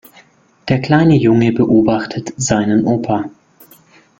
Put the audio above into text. Der kleine Junge beobachtet seinen Opa.